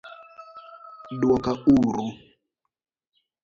dwoka uru